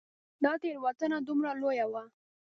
دا تېروتنه دومره لویه وه.